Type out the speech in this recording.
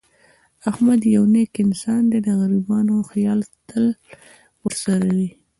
احمد یو نېک انسان دی. د غریبانو خیال تل ورسره وي.